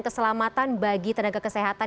keselamatan bagi tenaga kesehatan